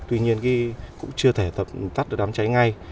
tuy nhiên cũng chưa thể tắt đám cháy ngay